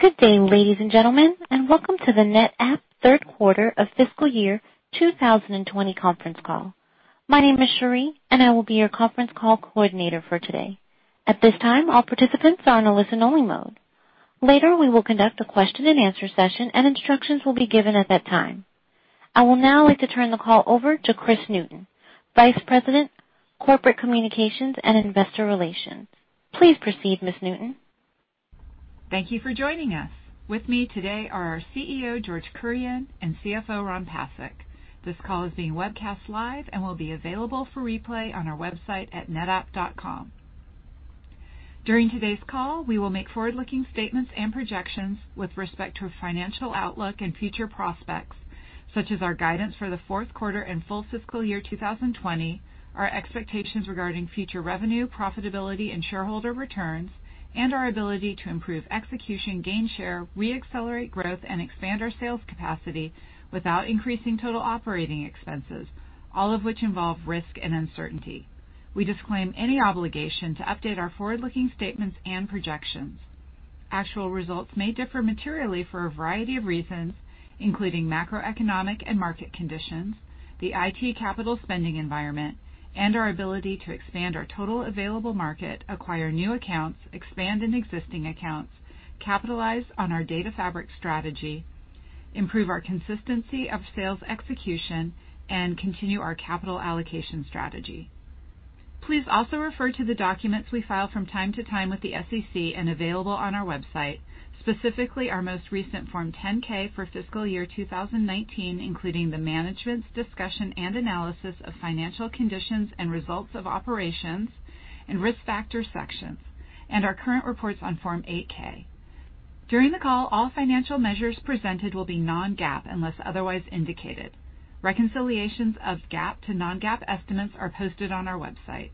Good day, ladies and gentlemen, and welcome to the NetApp third quarter of fiscal year 2020 conference call. My name is Sherry, and I will be your conference call coordinator for today. At this time, all participants are on a listen-only mode. Later, we will conduct a question-and-answer session, and instructions will be given at that time. I will now like to turn the call over to Kris Newton, Vice President, Corporate Communications and Investor Relations. Please proceed, Ms. Newton. Thank you for joining us. With me today are our CEO, George Kurian, and CFO, Ron Pasek. This call is being webcast live and will be available for replay on our website at netapp.com. During today's call, we will make forward-looking statements and projections with respect to our financial outlook and future prospects, such as our guidance for the fourth quarter and full fiscal year 2020, our expectations regarding future revenue, profitability, and shareholder returns, and our ability to improve execution, gain share, re-accelerate growth, and expand our sales capacity without increasing total operating expenses, all of which involve risk and uncertainty. We disclaim any obligation to update our forward-looking statements and projections. Actual results may differ materially for a variety of reasons, including macroeconomic and market conditions, the IT capital spending environment, and our ability to expand our total available market, acquire new accounts, expand existing accounts, capitalize on our data fabric strategy, improve our consistency of sales execution, and continue our capital allocation strategy. Please also refer to the documents we file from time to time with the SEC and available on our website, specifically our most recent Form 10-K for fiscal year 2019, including the management's discussion and analysis of financial conditions and results of operations and risk factor sections, and our current reports on Form 8-K. During the call, all financial measures presented will be non-GAAP unless otherwise indicated. Reconciliations of GAAP to non-GAAP estimates are posted on our website.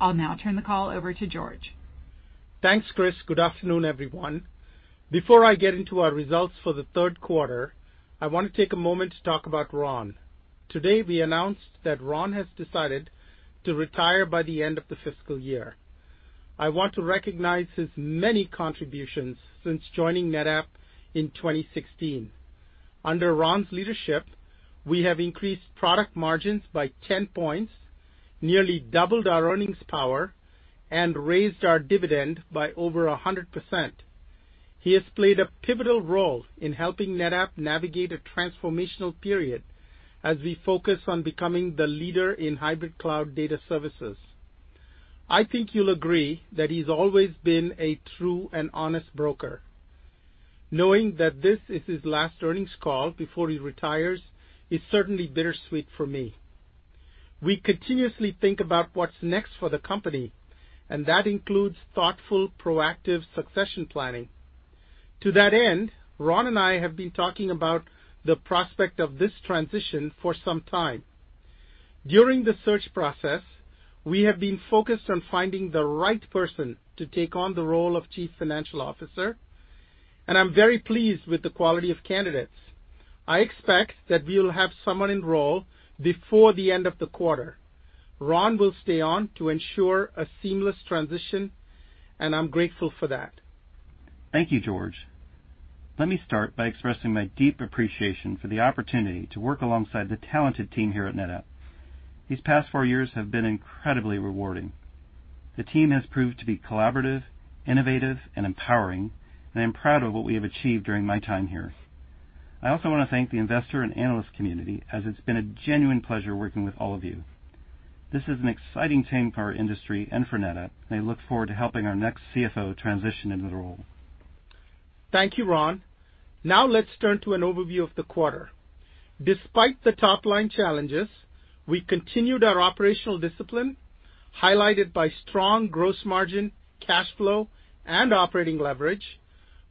I'll now turn the call over to George. Thanks, Kris. Good afternoon, everyone. Before I get into our results for the third quarter, I want to take a moment to talk about Ron. Today, we announced that Ron has decided to retire by the end of the fiscal year. I want to recognize his many contributions since joining NetApp in 2016. Under Ron's leadership, we have increased product margins by 10 points, nearly doubled our earnings power, and raised our dividend by over 100%. He has played a pivotal role in helping NetApp navigate a transformational period as we focus on becoming the leader in hybrid cloud data services. I think you'll agree that he's always been a true and honest broker. Knowing that this is his last earnings call before he retires is certainly bittersweet for me. We continuously think about what's next for the company, and that includes thoughtful, proactive succession planning. To that end, Ron and I have been talking about the prospect of this transition for some time. During the search process, we have been focused on finding the right person to take on the role of Chief Financial Officer, and I'm very pleased with the quality of candidates. I expect that we will have someone enrolled before the end of the quarter. Ron will stay on to ensure a seamless transition, and I'm grateful for that. Thank you, George. Let me start by expressing my deep appreciation for the opportunity to work alongside the talented team here at NetApp. These past four years have been incredibly rewarding. The team has proved to be collaborative, innovative, and empowering, and I'm proud of what we have achieved during my time here. I also want to thank the investor and analyst community, as it's been a genuine pleasure working with all of you. This is an exciting change for our industry and for NetApp, and I look forward to helping our next CFO transition into the role. Thank you, Ron. Now, let's turn to an overview of the quarter. Despite the top-line challenges, we continued our operational discipline, highlighted by strong gross margin, cash flow, and operating leverage,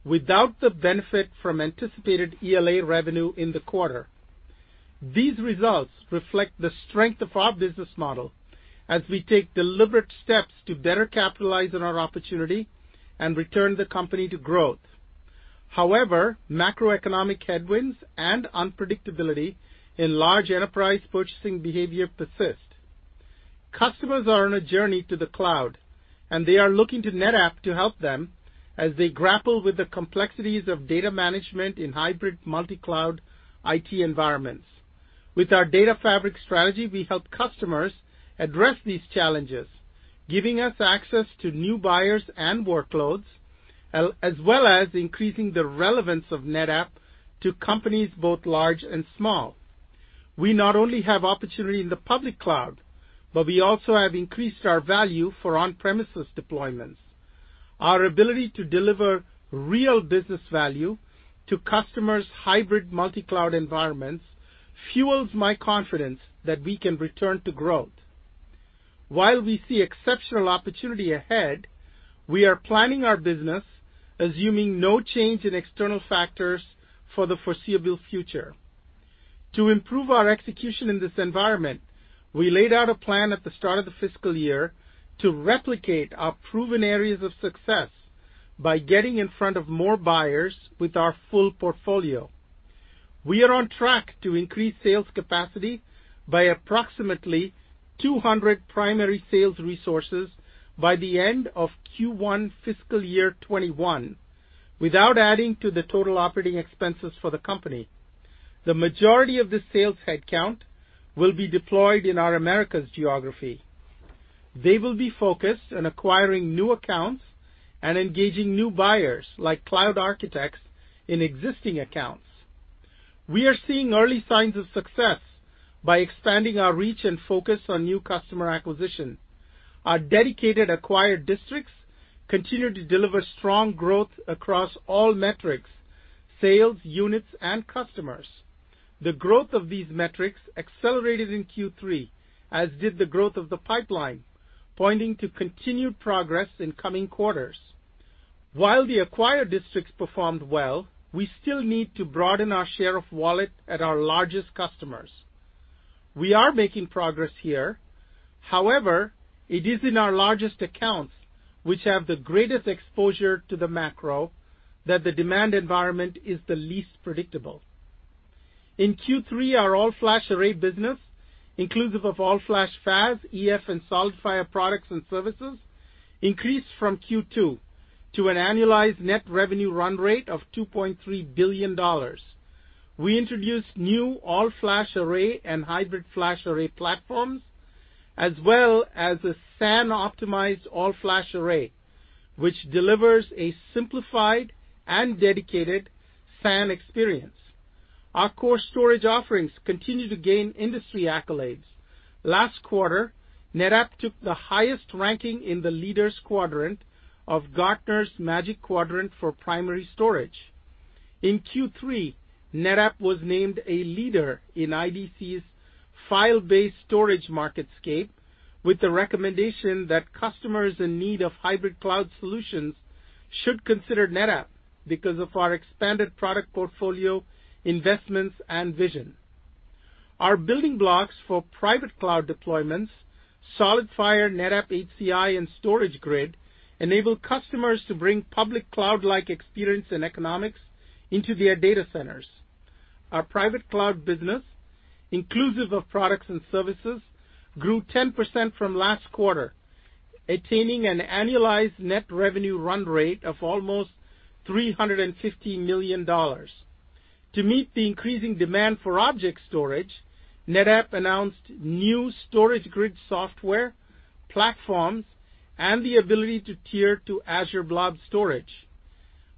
without the benefit from anticipated ELA revenue in the quarter. These results reflect the strength of our business model as we take deliberate steps to better capitalize on our opportunity and return the company to growth. However, macroeconomic headwinds and unpredictability in large enterprise purchasing behavior persist. Customers are on a journey to the cloud, and they are looking to NetApp to help them as they grapple with the complexities of data management in hybrid multi-cloud IT environments. With our data fabric strategy, we help customers address these challenges, giving us access to new buyers and workloads, as well as increasing the relevance of NetApp to companies both large and small. We not only have opportunity in the public cloud, but we also have increased our value for on-premises deployments. Our ability to deliver real business value to customers' hybrid multi-cloud environments fuels my confidence that we can return to growth. While we see exceptional opportunity ahead, we are planning our business, assuming no change in external factors for the foreseeable future. To improve our execution in this environment, we laid out a plan at the start of the fiscal year to replicate our proven areas of success by getting in front of more buyers with our full portfolio. We are on track to increase sales capacity by approximately 200 primary sales resources by the end of Q1 fiscal year 2021, without adding to the total operating expenses for the company. The majority of the sales headcount will be deployed in our Americas geography. They will be focused on acquiring new accounts and engaging new buyers like cloud architects in existing accounts. We are seeing early signs of success by expanding our reach and focus on new customer acquisition. Our dedicated acquired districts continue to deliver strong growth across all metrics: sales, units, and customers. The growth of these metrics accelerated in Q3, as did the growth of the pipeline, pointing to continued progress in coming quarters. While the acquired districts performed well, we still need to broaden our share of wallet at our largest customers. We are making progress here. However, it is in our largest accounts, which have the greatest exposure to the macro, that the demand environment is the least predictable. In Q3, our all-flash array business, inclusive of All Flash FAS, EF, and SolidFire products and services, increased from Q2 to an annualized net revenue run rate of $2.3 billion. We introduced new all-flash array and hybrid flash array platforms, as well as a SAN-optimized all-flash array, which delivers a simplified and dedicated SAN experience. Our core storage offerings continue to gain industry accolades. Last quarter, NetApp took the highest ranking in the leaders quadrant of Gartner's Magic Quadrant for Primary Storage. In Q3, NetApp was named a leader in IDC's file-based storage MarketScape, with the recommendation that customers in need of hybrid cloud solutions should consider NetApp because of our expanded product portfolio, investments, and vision. Our building blocks for private cloud deployments, SolidFire, NetApp HCI, and StorageGRID enable customers to bring public cloud-like experience and economics into their data centers. Our private cloud business, inclusive of products and services, grew 10% from last quarter, attaining an annualized net revenue run rate of almost $350 million. To meet the increasing demand for object storage, NetApp announced new StorageGRID software, platforms, and the ability to tier to Azure Blob storage.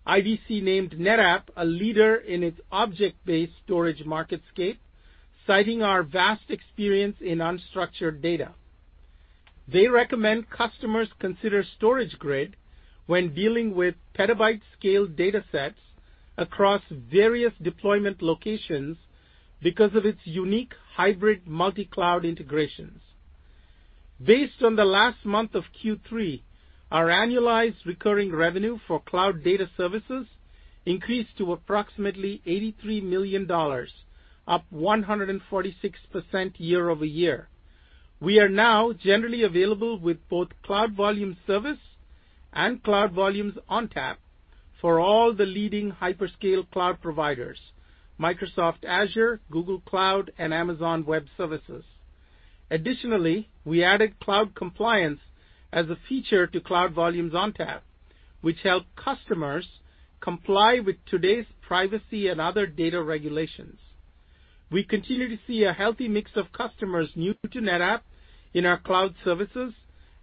IDC named NetApp a leader in its object-based storage MarketScape, citing our vast experience in unstructured data. They recommend customers consider StorageGRID when dealing with petabyte-scale data sets across various deployment locations because of its unique hybrid multi-cloud integrations. Based on the last month of Q3, our annualized recurring revenue for cloud data services increased to approximately $83 million, up 146% year-over-year. We are now generally available with both Cloud Volumes Service and Cloud Volumes ONTAP for all the leading hyperscale cloud providers: Microsoft Azure, Google Cloud, and Amazon Web Services. Additionally, we added cloud compliance as a feature to Cloud Volumes ONTAP, which helps customers comply with today's privacy and other data regulations. We continue to see a healthy mix of customers new to NetApp in our cloud services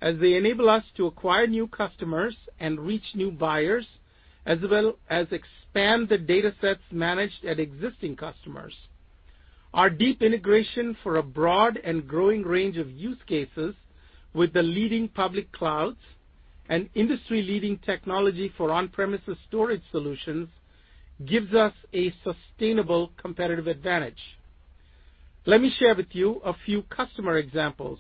as they enable us to acquire new customers and reach new buyers, as well as expand the data sets managed at existing customers. Our deep integration for a broad and growing range of use cases with the leading public clouds and industry-leading technology for on-premises storage solutions gives us a sustainable competitive advantage. Let me share with you a few customer examples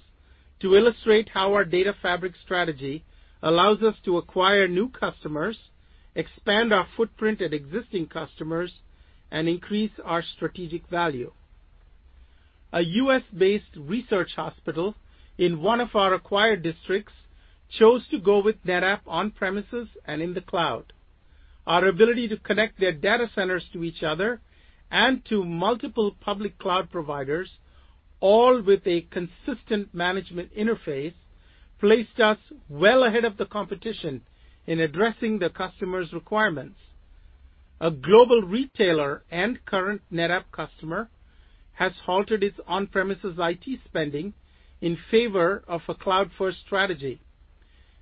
to illustrate how our data fabric strategy allows us to acquire new customers, expand our footprint at existing customers, and increase our strategic value. A U.S.-based research hospital in one of our acquired districts chose to go with NetApp on-premises and in the cloud. Our ability to connect their data centers to each other and to multiple public cloud providers, all with a consistent management interface, placed us well ahead of the competition in addressing the customer's requirements. A global retailer and current NetApp customer has halted its on-premises IT spending in favor of a cloud-first strategy.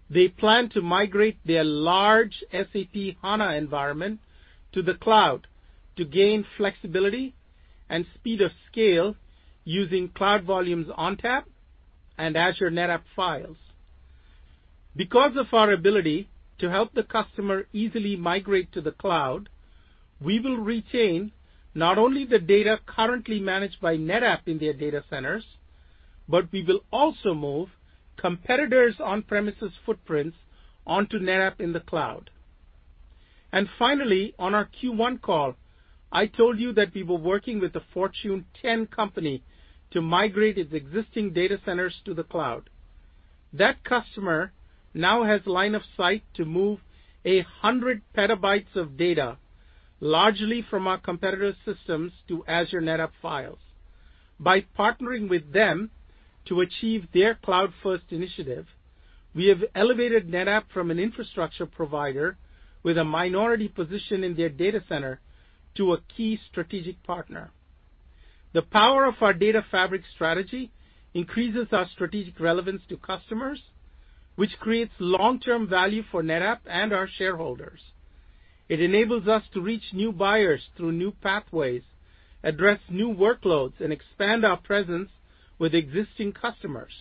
They plan to migrate their large SAP HANA environment to the cloud to gain flexibility and speed of scale using Cloud Volumes ONTAP and Azure NetApp Files. Because of our ability to help the customer easily migrate to the cloud, we will retain not only the data currently managed by NetApp in their data centers, but we will also move competitors' on-premises footprints onto NetApp in the cloud. Finally, on our Q1 call, I told you that we were working with a Fortune 10 company to migrate its existing data centers to the cloud. That customer now has a line of sight to move 100 PB of data, largely from our competitor systems, to Azure NetApp Files. By partnering with them to achieve their cloud-first initiative, we have elevated NetApp from an infrastructure provider with a minority position in their data center to a key strategic partner. The power of our data fabric strategy increases our strategic relevance to customers, which creates long-term value for NetApp and our shareholders. It enables us to reach new buyers through new pathways, address new workloads, and expand our presence with existing customers.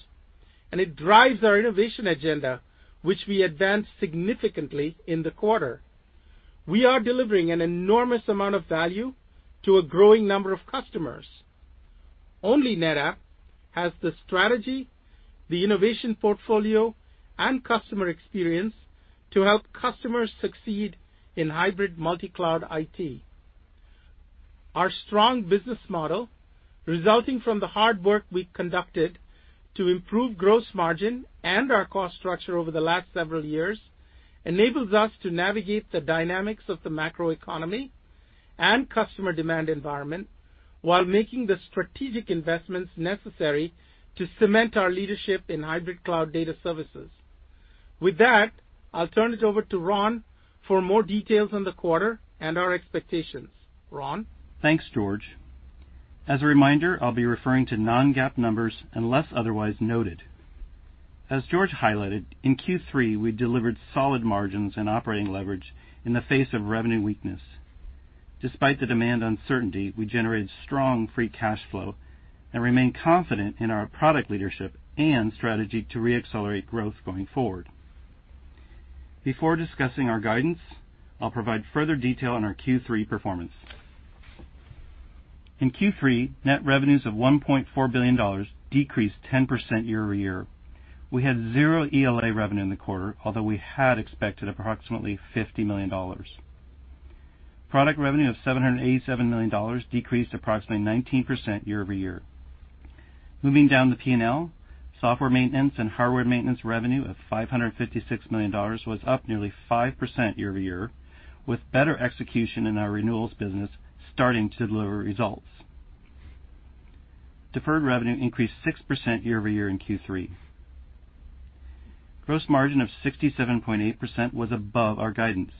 It drives our innovation agenda, which we advanced significantly in the quarter. We are delivering an enormous amount of value to a growing number of customers. Only NetApp has the strategy, the innovation portfolio, and customer experience to help customers succeed in hybrid multi-cloud IT. Our strong business model, resulting from the hard work we conducted to improve gross margin and our cost structure over the last several years, enables us to navigate the dynamics of the macroeconomy and customer demand environment while making the strategic investments necessary to cement our leadership in hybrid cloud data services. With that, I'll turn it over to Ron for more details on the quarter and our expectations. Ron? Thanks, George. As a reminder, I'll be referring to non-GAAP numbers unless otherwise noted. As George highlighted, in Q3, we delivered solid margins and operating leverage in the face of revenue weakness. Despite the demand uncertainty, we generated strong free cash flow and remain confident in our product leadership and strategy to re-accelerate growth going forward. Before discussing our guidance, I'll provide further detail on our Q3 performance. In Q3, net revenues of $1.4 billion decreased 10% year-over-year. We had zero ELA revenue in the quarter, although we had expected approximately $50 million. Product revenue of $787 million decreased approximately 19% year-over-year. Moving down the P&L, software maintenance and hardware maintenance revenue of $556 million was up nearly 5% year-over-year, with better execution in our renewals business starting to deliver results. Deferred revenue increased 6% year-over-year in Q3. Gross margin of 67.8% was above our guidance.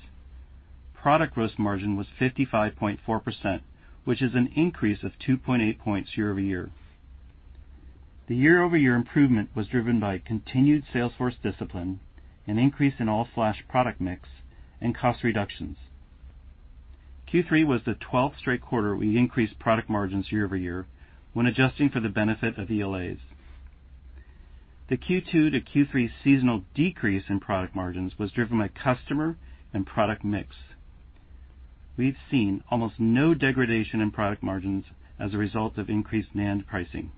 Product gross margin was 55.4%, which is an increase of 2.8 points year-over-year. The year-over-year improvement was driven by continued sales force discipline and increase in all-flash product mix and cost reductions. Q3 was the 12th straight quarter we increased product margins year-over-year when adjusting for the benefit of ELAs. The Q2 to Q3 seasonal decrease in product margins was driven by customer and product mix. We've seen almost no degradation in product margins as a result of increased demand pricing.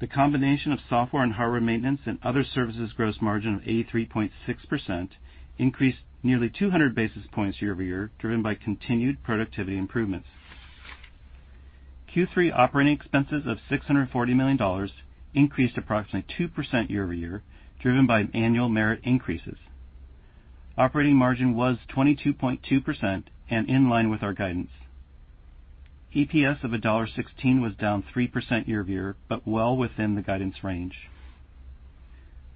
The combination of software and hardware maintenance and other services gross margin of 83.6% increased nearly 200 basis points year-over-year, driven by continued productivity improvements. Q3 operating expenses of $640 million increased approximately 2% year-over-year, driven by annual merit increases. Operating margin was 22.2% and in line with our guidance. EPS of $1.16 was down 3% year-over-year, but well within the guidance range.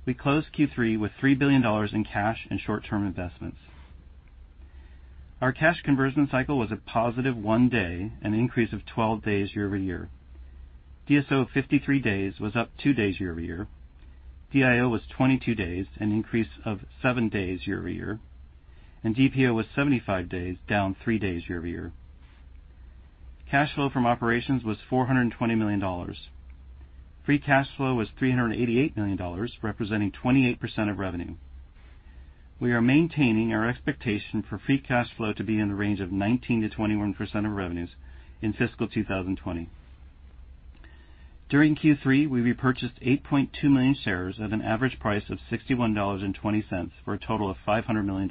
We closed Q3 with $3 billion in cash and short-term investments. Our cash conversion cycle was a positive one day, an increase of 12 days year-over-year. DSO of 53 days was up two days year-over-year. DIO was 22 days, an increase of 7 days year-over-year. DPO was 75 days, down 3 days year-over-year. Cash flow from operations was $420 million. Free cash flow was $388 million, representing 28% of revenue. We are maintaining our expectation for free cash flow to be in the range of 19%-21% of revenues in fiscal 2020. During Q3, we repurchased 8.2 million shares at an average price of $61.20 for a total of $500 million.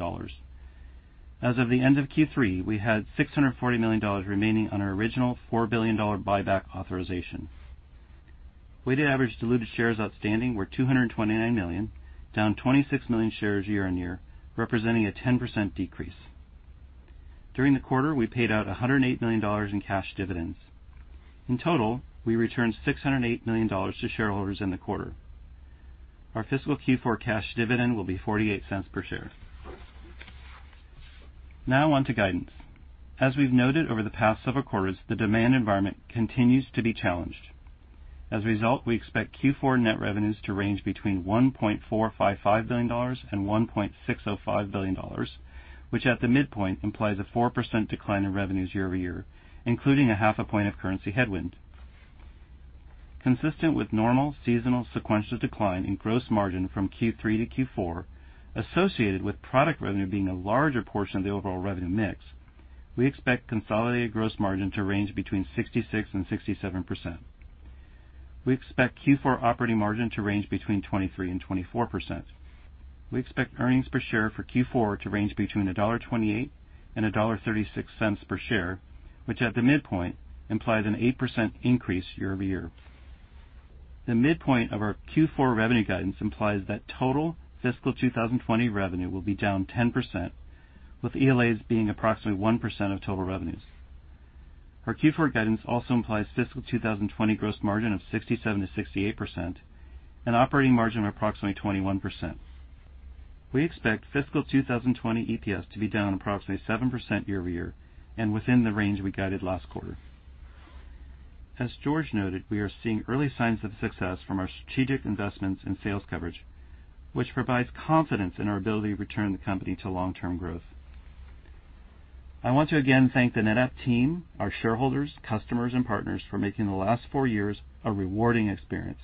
As of the end of Q3, we had $640 million remaining on our original $4 billion buyback authorization. Weighted average diluted shares outstanding were 229 million, down 26 million shares year-on-year, representing a 10% decrease. During the quarter, we paid out $108 million in cash dividends. In total, we returned $608 million to shareholders in the quarter. Our fiscal Q4 cash dividend will be $0.48 per share. Now on to guidance. As we have noted over the past several quarters, the demand environment continues to be challenged. As a result, we expect Q4 net revenues to range between $1.455 billion and $1.605 billion, which at the midpoint implies a 4% decline in revenues year-over-year, including a half a point of currency headwind. Consistent with normal seasonal sequential decline in gross margin from Q3 to Q4, associated with product revenue being a larger portion of the overall revenue mix, we expect consolidated gross margin to range between 66% and 67%. We expect Q4 operating margin to range between 23% and 24%. We expect earnings per share for Q4 to range between $1.28 and $1.36 per share, which at the midpoint implies an 8% increase year-over-year. The midpoint of our Q4 revenue guidance implies that total fiscal 2020 revenue will be down 10%, with ELAs being approximately 1% of total revenues. Our Q4 guidance also implies fiscal 2020 gross margin of 67%-68% and operating margin of approximately 21%. We expect fiscal 2020 EPS to be down approximately 7% year-over-year and within the range we guided last quarter. As George noted, we are seeing early signs of success from our strategic investments and sales coverage, which provides confidence in our ability to return the company to long-term growth. I want to again thank the NetApp team, our shareholders, customers, and partners for making the last four years a rewarding experience.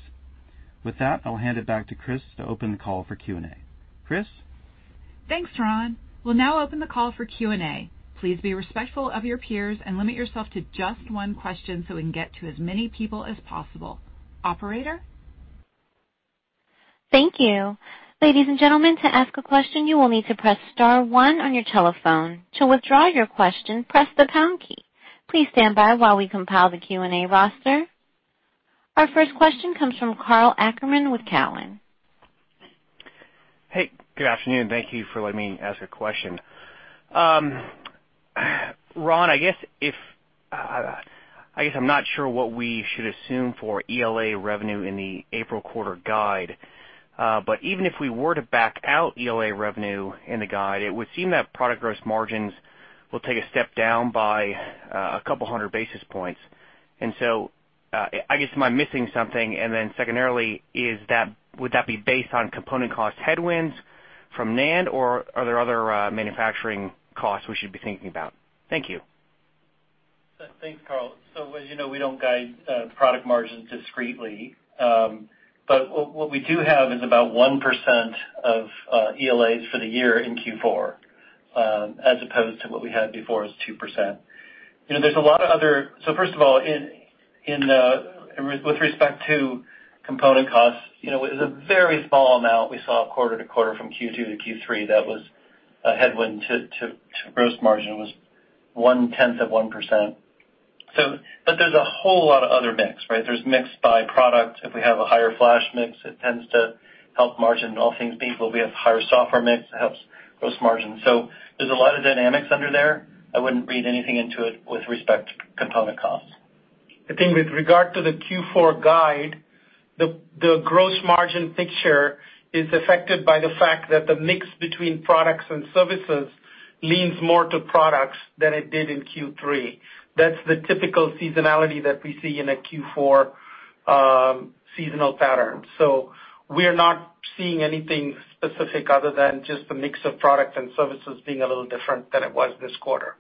With that, I'll hand it back to Kris to open the call for Q&A. Kris? Thanks, Ron. We'll now open the call for Q&A. Please be respectful of your peers and limit yourself to just one question so we can get to as many people as possible. Operator? Thank you. Ladies and gentlemen, to ask a question, you will need to press star one on your telephone. To withdraw your question, press the pound key. Please stand by while we compile the Q&A roster. Our first question comes from Karl Ackerman with Cowen. Hey, good afternoon. Thank you for letting me ask a question. Ron, I guess I'm not sure what we should assume for ELA revenue in the April quarter guide. Even if we were to back out ELA revenue in the guide, it would seem that product gross margins will take a step down by a couple hundred basis points. I guess am I missing something? Secondarily, would that be based on component cost headwinds from NAND, or are there other manufacturing costs we should be thinking about? Thank you. Thanks, Carl. As you know, we do not guide product margins discreetly. What we do have is about 1% of ELAs for the year in Q4, as opposed to what we had before as 2%. There is a lot of other—first of all, with respect to component costs, it was a very small amount we saw quarter to quarter from Q2 to Q3 that was a headwind to gross margin, it was one-tenth of 1%. There is a whole lot of other mix. There is mix by product. If we have a higher flash mix, it tends to help margin, all things being equal. If we have a higher software mix, it helps gross margin. There are a lot of dynamics under there. I would not read anything into it with respect to component costs. I think with regard to the Q4 guide, the gross margin picture is affected by the fact that the mix between products and services leans more to products than it did in Q3. That is the typical seasonality that we see in a Q4 seasonal pattern. We are not seeing anything specific other than just the mix of products and services being a little different than it was this quarter.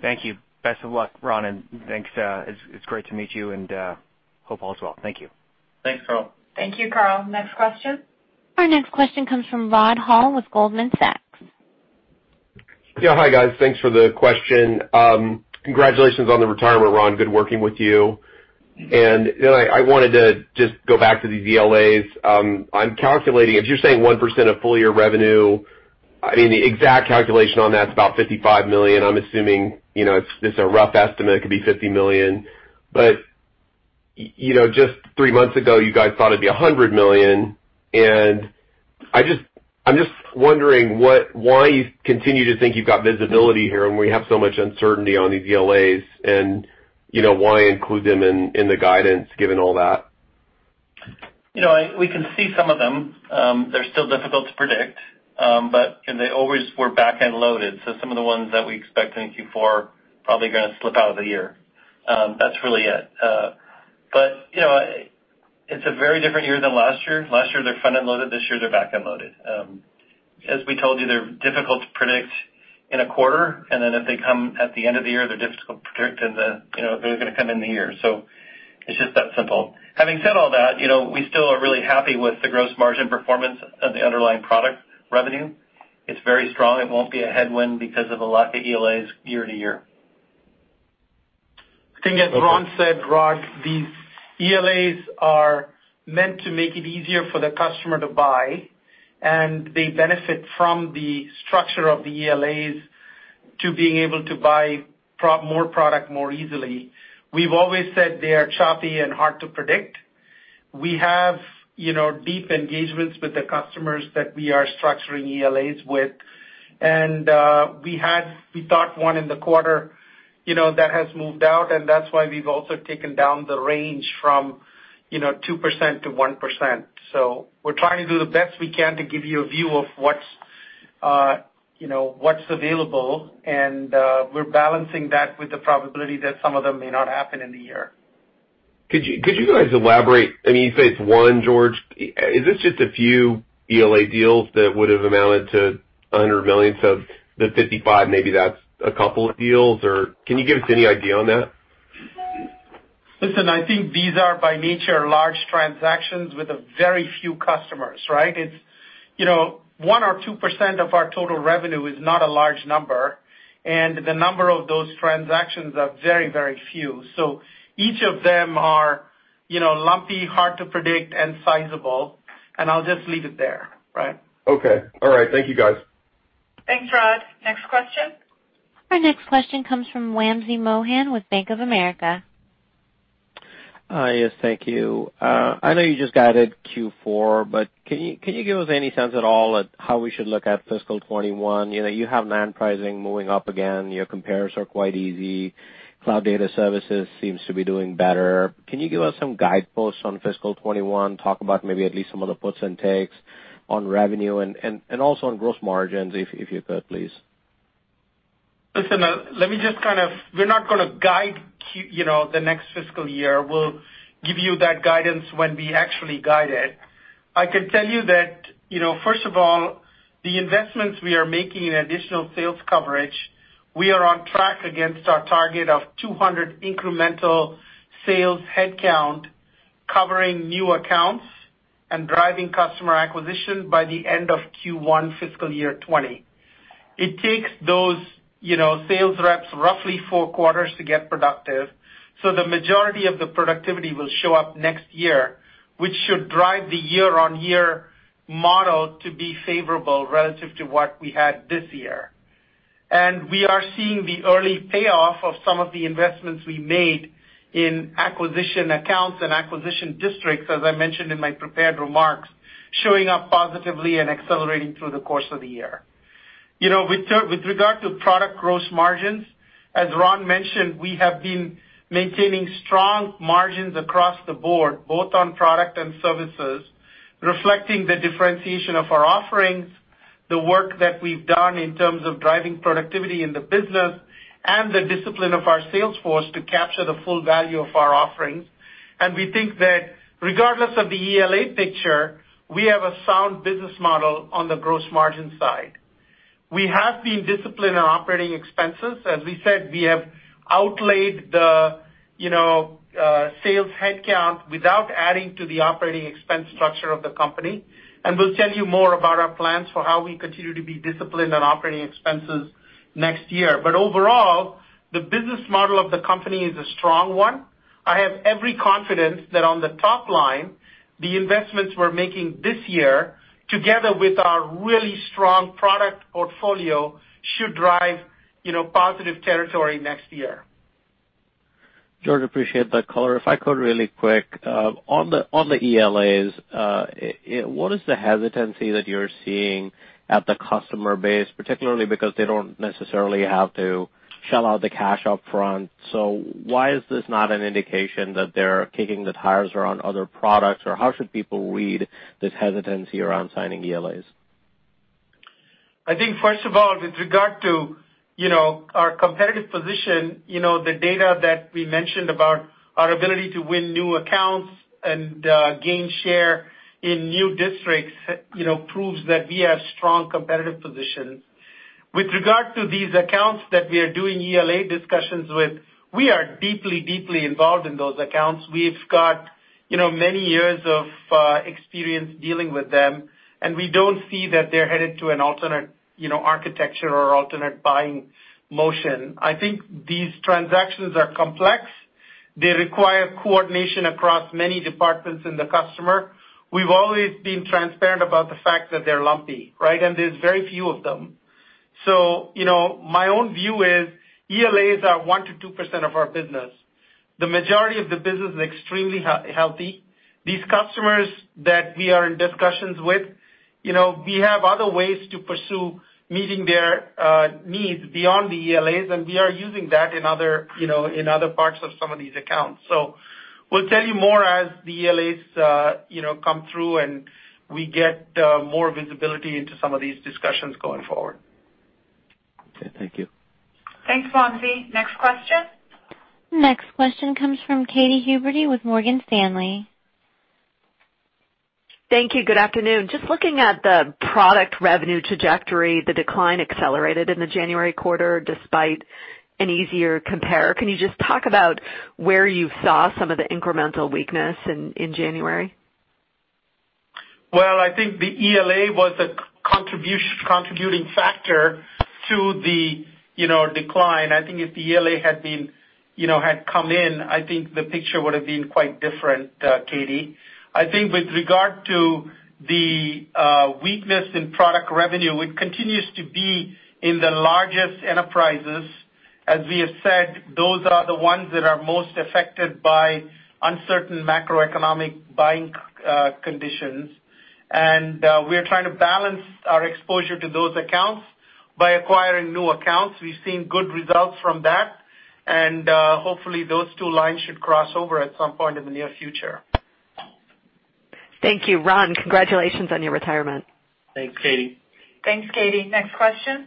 Thank you. Best of luck, Ron. Thank you. It's great to meet you and hope all's well. Thank you. Thanks, Karl. Thank you, Karl. Next question? Our next question comes from Rod Hall with Goldman Sachs. Yeah, hi guys. Thanks for the question. Congratulations on the retirement, Ron. Good working with you. I wanted to just go back to these ELAs. I'm calculating, if you're saying 1% of full-year revenue, I mean, the exact calculation on that's about $55 million. I'm assuming it's a rough estimate. It could be $50 million. Just three months ago, you guys thought it'd be $100 million. I'm just wondering why you continue to think you've got visibility here when we have so much uncertainty on these ELAs and why include them in the guidance given all that? We can see some of them. They're still difficult to predict, but they always were back-end loaded. Some of the ones that we expect in Q4 are probably going to slip out of the year. That's really it. It is a very different year than last year. Last year, they're front-end loaded. This year, they're back-end loaded. As we told you, they're difficult to predict in a quarter. If they come at the end of the year, they're difficult to predict in the—they're going to come in the year. It is just that simple. Having said all that, we still are really happy with the gross margin performance and the underlying product revenue. It's very strong. It won't be a headwind because of a lack of ELAs year to year. I think as Ron said, Rod, these ELAs are meant to make it easier for the customer to buy, and they benefit from the structure of the ELAs to being able to buy more product more easily. We've always said they are choppy and hard to predict. We have deep engagements with the customers that we are structuring ELAs with. We thought one in the quarter that has moved out, and that's why we've also taken down the range from 2%-1%. We are trying to do the best we can to give you a view of what's available, and we're balancing that with the probability that some of them may not happen in the year. Could you guys elaborate? I mean, you said it's one, George. Is this just a few ELA deals that would have amounted to $100 million? The $55 million, maybe that's a couple of deals, or can you give us any idea on that? Listen, I think these are by nature large transactions with very few customers, right? One or 2% of our total revenue is not a large number, and the number of those transactions are very, very few. Each of them are lumpy, hard to predict, and sizable, and I'll just leave it there, right? Okay. All right. Thank you, guys. Thanks, Rod. Next question? Our next question comes from Wamsi Mohan with Bank of America. Hi, yes, thank you. I know you just guided Q4, but can you give us any sense at all at how we should look at fiscal 2021? You have NAND pricing moving up again. Your comparison is quite easy. Cloud data services seems to be doing better. Can you give us some guideposts on fiscal 2021? Talk about maybe at least some of the puts and takes on revenue and also on gross margins if you could, please. Listen, let me just kind of—we're not going to guide the next fiscal year. We'll give you that guidance when we actually guide it. I can tell you that, first of all, the investments we are making in additional sales coverage, we are on track against our target of 200 incremental sales headcount, covering new accounts and driving customer acquisition by the end of Q1 fiscal year 2020. It takes those sales reps roughly four quarters to get productive. The majority of the productivity will show up next year, which should drive the year-on-year model to be favorable relative to what we had this year. We are seeing the early payoff of some of the investments we made in acquisition accounts and acquisition districts, as I mentioned in my prepared remarks, showing up positively and accelerating through the course of the year. With regard to product gross margins, as Ron mentioned, we have been maintaining strong margins across the board, both on product and services, reflecting the differentiation of our offerings, the work that we've done in terms of driving productivity in the business, and the discipline of our salesforce to capture the full value of our offerings. We think that regardless of the ELA picture, we have a sound business model on the gross margin side. We have been disciplined on operating expenses. As we said, we have outlaid the sales headcount without adding to the operating expense structure of the company. We will tell you more about our plans for how we continue to be disciplined on operating expenses next year. Overall, the business model of the company is a strong one. I have every confidence that on the top line, the investments we're making this year, together with our really strong product portfolio, should drive positive territory next year. George, I appreciate that color. If I could really quick, on the ELAs, what is the hesitancy that you're seeing at the customer base, particularly because they don't necessarily have to shell out the cash upfront? Why is this not an indication that they're kicking the tires around other products, or how should people read this hesitancy around signing ELAs? I think, first of all, with regard to our competitive position, the data that we mentioned about our ability to win new accounts and gain share in new districts proves that we have strong competitive positions. With regard to these accounts that we are doing ELA discussions with, we are deeply, deeply involved in those accounts. We've got many years of experience dealing with them, and we don't see that they're headed to an alternate architecture or alternate buying motion. I think these transactions are complex. They require coordination across many departments in the customer. We've always been transparent about the fact that they're lumpy, right? There's very few of them. My own view is ELAs are 1%-2% of our business. The majority of the business is extremely healthy. These customers that we are in discussions with, we have other ways to pursue meeting their needs beyond the ELAs, and we are using that in other parts of some of these accounts. We will tell you more as the ELAs come through and we get more visibility into some of these discussions going forward. Okay, thank you. Thanks, Wamsi. Next question? Next question comes from Katy Huberty with Morgan Stanley. Thank you. Good afternoon. Just looking at the product revenue trajectory, the decline accelerated in the January quarter despite an easier compare. Can you just talk about where you saw some of the incremental weakness in January? I think the ELA was a contributing factor to the decline. I think if the ELA had come in, I think the picture would have been quite different, Katie. I think with regard to the weakness in product revenue, it continues to be in the largest enterprises. As we have said, those are the ones that are most affected by uncertain macroeconomic buying conditions. We are trying to balance our exposure to those accounts by acquiring new accounts. We have seen good results from that, and hopefully those two lines should cross over at some point in the near future. Thank you. Ron, congratulations on your retirement. Thanks, Katy. Thanks, Katy. Next question?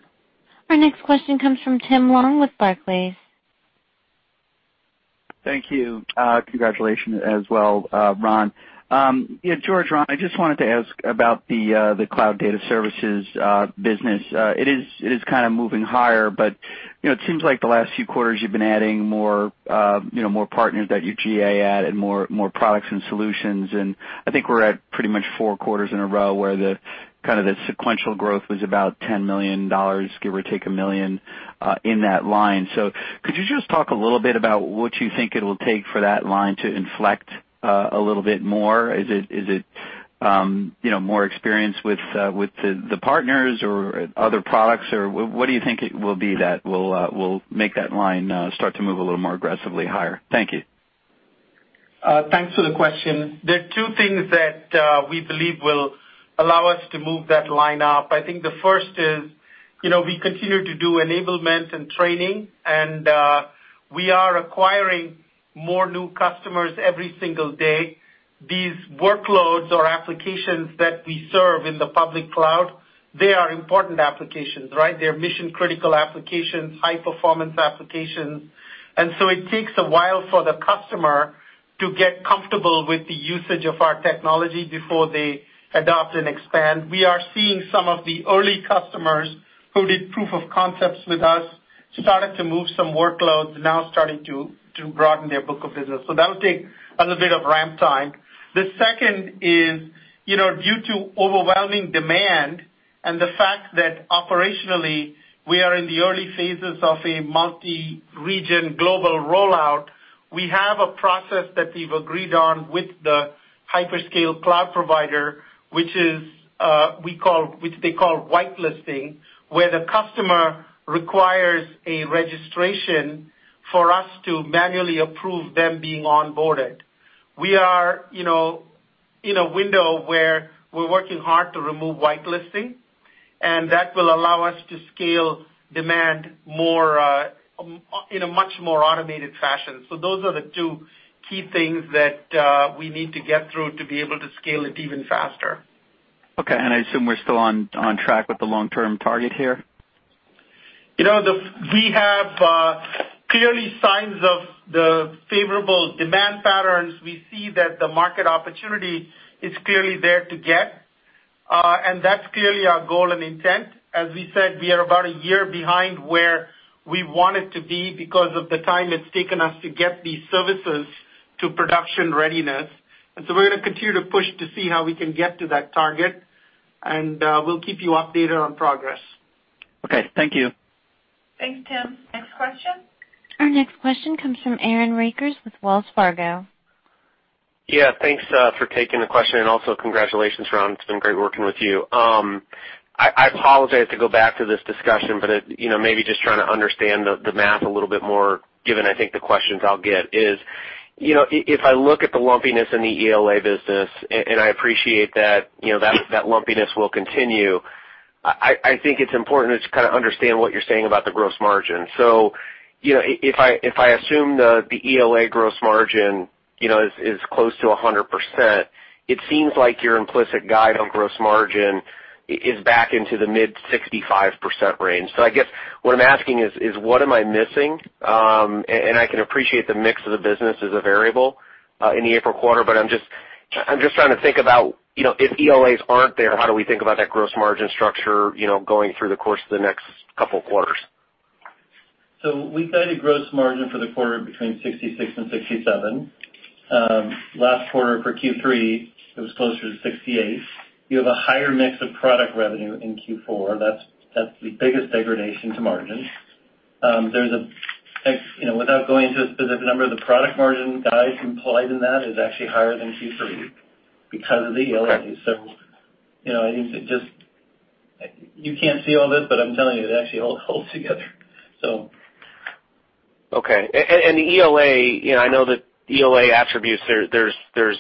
Our next question comes from Tim Long with Barclays. Thank you. Congratulations as well, Ron. George, Ron, I just wanted to ask about the cloud data services business. It is kind of moving higher, but it seems like the last few quarters you've been adding more partners that you GA at and more products and solutions. I think we're at pretty much four quarters in a row where kind of the sequential growth was about $10 million, give or take a million in that line. Could you just talk a little bit about what you think it will take for that line to inflect a little bit more? Is it more experience with the partners or other products, or what do you think it will be that will make that line start to move a little more aggressively higher? Thank you. Thanks for the question. There are two things that we believe will allow us to move that line up. I think the first is we continue to do enablement and training, and we are acquiring more new customers every single day. These workloads or applications that we serve in the public cloud, they are important applications, right? They're mission-critical applications, high-performance applications. It takes a while for the customer to get comfortable with the usage of our technology before they adopt and expand. We are seeing some of the early customers who did proof of concepts with us started to move some workloads, now starting to broaden their book of business. That'll take a little bit of ramp time. The second is due to overwhelming demand and the fact that operationally we are in the early phases of a multi-region global rollout, we have a process that we've agreed on with the hyperscale cloud provider, which they call whitelisting, where the customer requires a registration for us to manually approve them being onboarded. We are in a window where we're working hard to remove whitelisting, and that will allow us to scale demand in a much more automated fashion. Those are the two key things that we need to get through to be able to scale it even faster. Okay. I assume we're still on track with the long-term target here? We have clearly signs of the favorable demand patterns. We see that the market opportunity is clearly there to get, and that's clearly our goal and intent. As we said, we are about a year behind where we wanted to be because of the time it's taken us to get these services to production readiness. We are going to continue to push to see how we can get to that target, and we'll keep you updated on progress. Okay. Thank you. Thanks, Tim. Next question? Our next question comes from Aaron Rakers with Wells Fargo. Yeah, thanks for taking the question, and also congratulations, Ron. It's been great working with you. I apologize to go back to this discussion, but maybe just trying to understand the math a little bit more, given I think the questions I'll get, is if I look at the lumpiness in the ELA business, and I appreciate that that lumpiness will continue, I think it's important to kind of understand what you're saying about the gross margin. If I assume the ELA gross margin is close to 100%, it seems like your implicit guide on gross margin is back into the mid-65% range. I guess what I'm asking is, what am I missing? I can appreciate the mix of the business is a variable in the April quarter, but I'm just trying to think about if ELAs aren't there, how do we think about that gross margin structure going through the course of the next couple of quarters? We've got a gross margin for the quarter between 66% and 67%. Last quarter for Q3, it was closer to 68%. You have a higher mix of product revenue in Q4. That's the biggest degradation to margin. Without going into a specific number, the product margin guide implied in that is actually higher than Q3 because of the ELA. I think that just you can't see all this, but I'm telling you, it actually holds together, so. Okay. The ELA, I know that ELA attributes, there's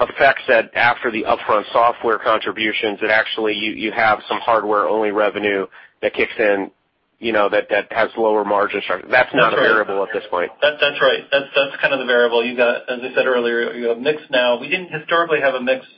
effects that after the upfront software contributions, that actually you have some hardware-only revenue that kicks in that has lower margins. That's not a variable at this point. That's right. That's kind of the variable. As I said earlier, you have mixed now. We didn't historically have a mixed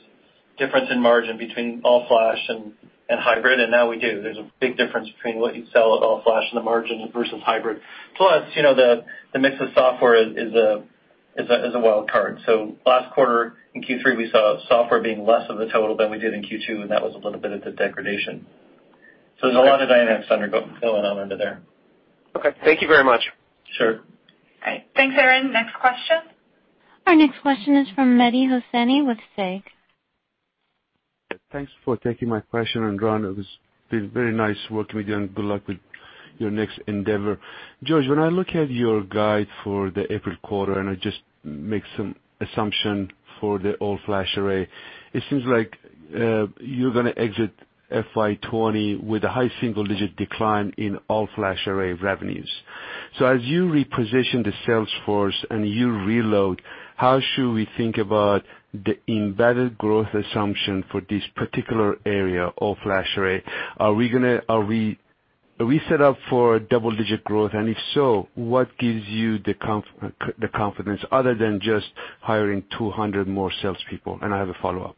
difference in margin between all-flash and hybrid, and now we do. There's a big difference between what you sell at all-flash and the margin versus hybrid. Plus, the mix of software is a wild card. Last quarter in Q3, we saw software being less of the total than we did in Q2, and that was a little bit of the degradation. There's a lot of dynamics going on under there. Okay. Thank you very much. Sure. All right. Thanks, Aaron. Next question? Our next question is from Mehdi Hosseini with SIG. Thanks for taking my question, and Ron, it was very nice working with you, and good luck with your next endeavor. George, when I look at your guide for the April quarter, and I just make some assumption for the all-flash array, it seems like you're going to exit FY 2020 with a high single-digit decline in all-flash array revenues. As you reposition the salesforce and you reload, how should we think about the embedded growth assumption for this particular area, all-flash array? Are we set up for double-digit growth? If so, what gives you the confidence other than just hiring 200 more salespeople? I have a follow-up.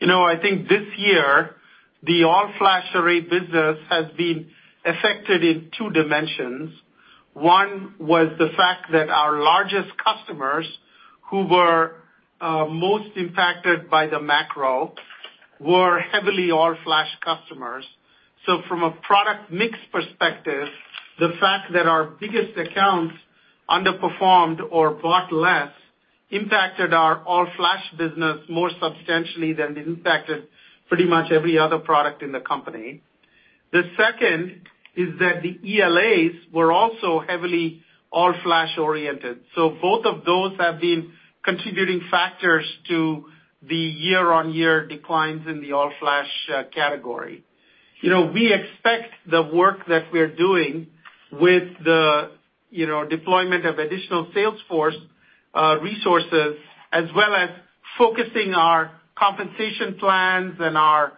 I think this year, the all-flash array business has been affected in two dimensions. One was the fact that our largest customers who were most impacted by the macro were heavily all-flash customers. From a product mix perspective, the fact that our biggest accounts underperformed or bought less impacted our all-flash business more substantially than it impacted pretty much every other product in the company. The second is that the ELAs were also heavily all-flash oriented. Both of those have been contributing factors to the year-on-year declines in the all-flash category. We expect the work that we're doing with the deployment of additional salesforce resources, as well as focusing our compensation plans and our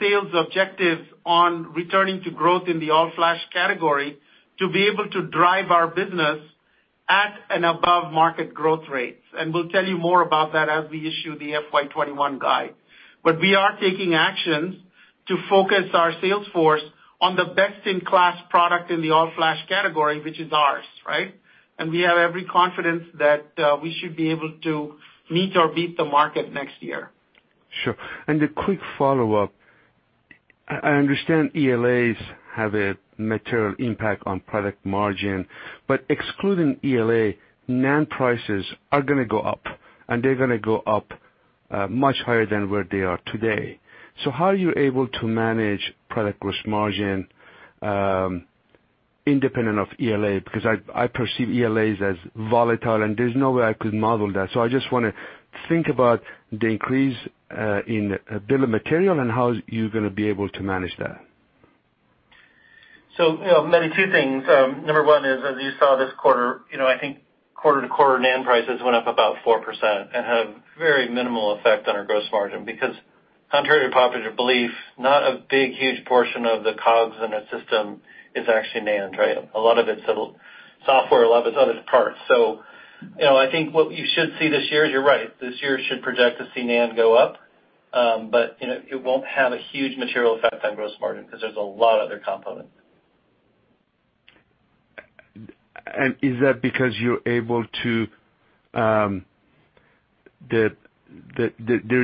sales objectives on returning to growth in the all-flash category to be able to drive our business at and above market growth rates. We will tell you more about that as we issue the FY 2021 guide. We are taking actions to focus our salesforce on the best-in-class product in the all-flash category, which is ours, right? We have every confidence that we should be able to meet or beat the market next year. Sure. A quick follow-up. I understand ELAs have a material impact on product margin, but excluding ELA, non-prices are going to go up, and they're going to go up much higher than where they are today. How are you able to manage product gross margin independent of ELA? I perceive ELAs as volatile, and there's no way I could model that. I just want to think about the increase in bill of material and how you're going to be able to manage that. I've got two things. Number one is, as you saw this quarter, I think quarter-to-quarter NAND prices went up about 4% and have very minimal effect on our gross margin because, contrary to popular belief, not a big, huge portion of the COGS in our system is actually NAND, right? A lot of it's software, a lot of it's other parts. I think what you should see this year is you're right. This year should project to see NAND go up, but it won't have a huge material effect on gross margin because there's a lot of other components. Is that because you're able to there's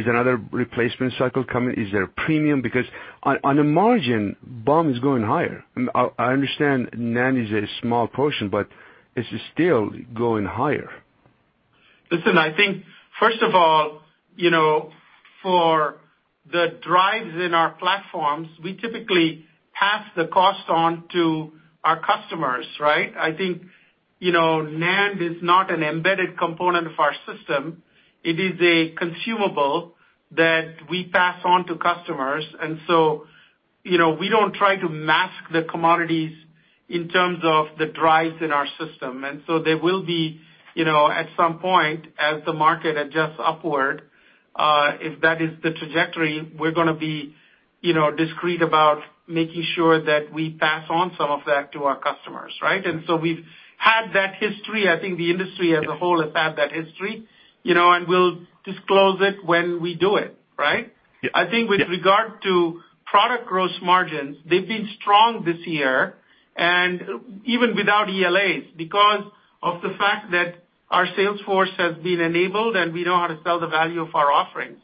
another replacement cycle coming? Is there a premium? Because on the margin, BOM is going higher. I understand NAND is a small portion, but it's still going higher. Listen, I think, first of all, for the drives in our platforms, we typically pass the cost on to our customers, right? I think NAND is not an embedded component of our system. It is a consumable that we pass on to customers. We do not try to mask the commodities in terms of the drives in our system. There will be, at some point, as the market adjusts upward, if that is the trajectory, we are going to be discreet about making sure that we pass on some of that to our customers, right? We have had that history. I think the industry as a whole has had that history, and we will disclose it when we do it, right? I think with regard to product gross margins, they've been strong this year, and even without ELAs, because of the fact that our salesforce has been enabled and we know how to sell the value of our offerings.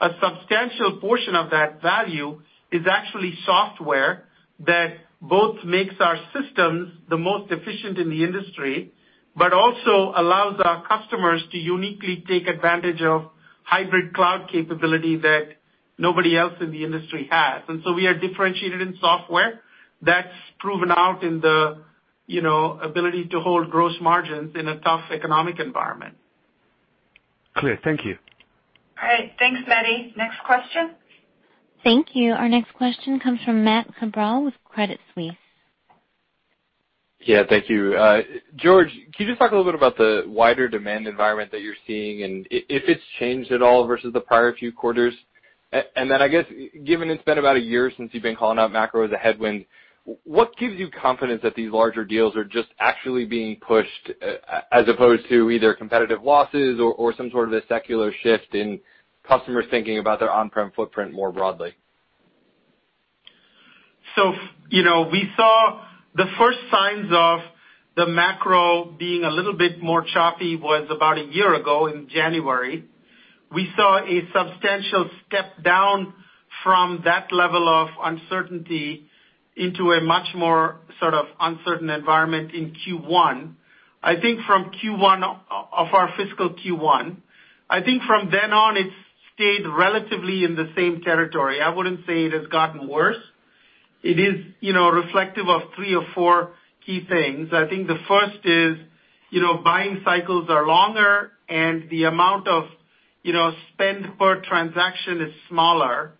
A substantial portion of that value is actually software that both makes our systems the most efficient in the industry, but also allows our customers to uniquely take advantage of hybrid cloud capability that nobody else in the industry has. We are differentiated in software that's proven out in the ability to hold gross margins in a tough economic environment. Clear. Thank you. All right. Thanks, Mehdi. Next question? Thank you. Our next question comes from Matt Cabral with Credit Suisse. Yeah. Thank you. George, can you just talk a little bit about the wider demand environment that you're seeing and if it's changed at all versus the prior few quarters? I guess, given it's been about a year since you've been calling out macro as a headwind, what gives you confidence that these larger deals are just actually being pushed as opposed to either competitive losses or some sort of a secular shift in customers thinking about their on-prem footprint more broadly? We saw the first signs of the macro being a little bit more choppy about a year ago in January. We saw a substantial step down from that level of uncertainty into a much more sort of uncertain environment in Q1, I think, from Q1 of our fiscal Q1. I think from then on, it has stayed relatively in the same territory. I would not say it has gotten worse. It is reflective of three or four key things. I think the first is buying cycles are longer, and the amount of spend per transaction is smaller.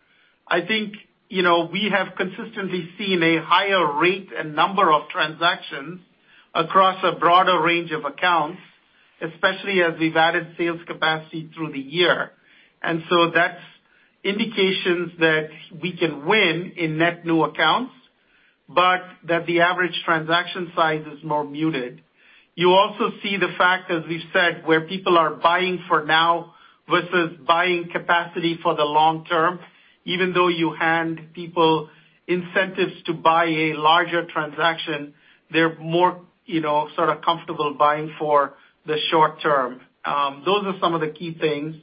I think we have consistently seen a higher rate and number of transactions across a broader range of accounts, especially as we have added sales capacity through the year. That is an indication that we can win in net new accounts, but that the average transaction size is more muted. You also see the fact, as we've said, where people are buying for now versus buying capacity for the long term. Even though you hand people incentives to buy a larger transaction, they're more sort of comfortable buying for the short term. Those are some of the key things.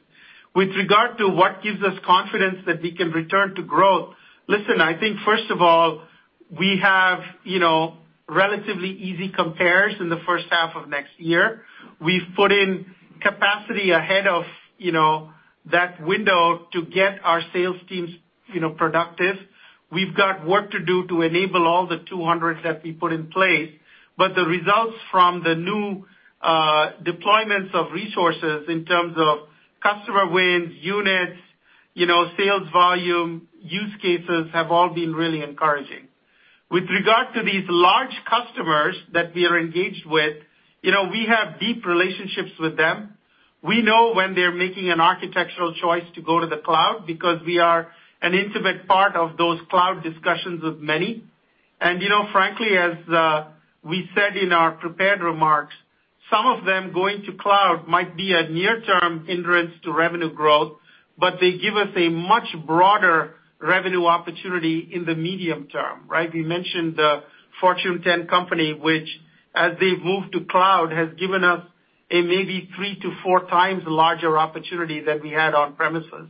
With regard to what gives us confidence that we can return to growth, listen, I think, first of all, we have relatively easy compares in the first half of next year. We've put in capacity ahead of that window to get our sales teams productive. We've got work to do to enable all the 200 that we put in place. The results from the new deployments of resources in terms of customer wins, units, sales volume, use cases have all been really encouraging. With regard to these large customers that we are engaged with, we have deep relationships with them. We know when they're making an architectural choice to go to the cloud because we are an intimate part of those cloud discussions with many. Frankly, as we said in our prepared remarks, some of them going to cloud might be a near-term hindrance to revenue growth, but they give us a much broader revenue opportunity in the medium term, right? We mentioned the Fortune 10 company, which, as they've moved to cloud, has given us a maybe three to four times larger opportunity than we had on premises.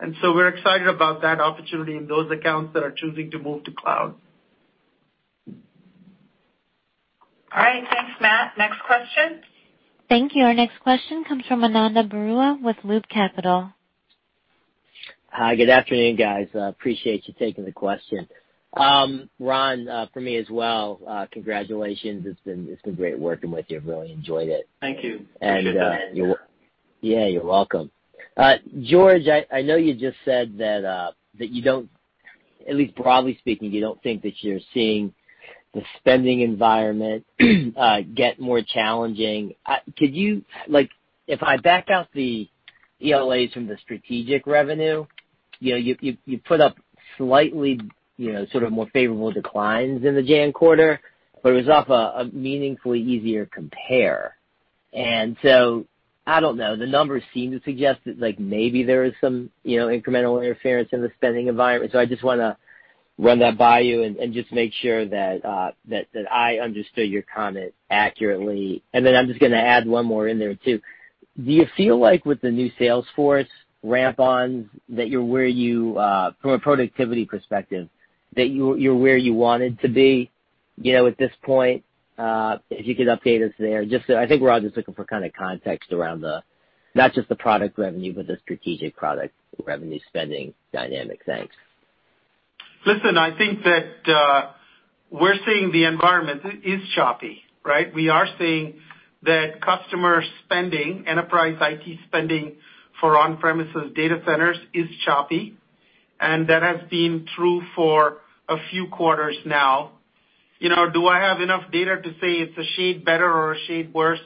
We are excited about that opportunity in those accounts that are choosing to move to cloud. All right. Thanks, Matt. Next question? Thank you. Our next question comes from Ananda Baruah with Loop Capital. Hi, good afternoon, guys. Appreciate you taking the question. Ron, for me as well, congratulations. It's been great working with you. I've really enjoyed it. Thank you. Appreciate that. Yeah, you're welcome. George, I know you just said that you don't, at least broadly speaking, you don't think that you're seeing the spending environment get more challenging. If I back out the ELAs from the strategic revenue, you put up slightly sort of more favorable declines in the January quarter, but it was off a meaningfully easier compare. I don't know. The numbers seem to suggest that maybe there is some incremental interference in the spending environment. I just want to run that by you and just make sure that I understood your comment accurately. I'm just going to add one more in there too. Do you feel like with the new salesforce ramp-ons that you're where you, from a productivity perspective, that you're where you wanted to be at this point? If you could update us there. I think we're all just looking for kind of context around not just the product revenue, but the strategic product revenue spending dynamic. Thanks. Listen, I think that we're seeing the environment is choppy, right? We are seeing that customer spending, enterprise IT spending for on-premises data centers is choppy, and that has been true for a few quarters now. Do I have enough data to say it's a shade better or a shade worse?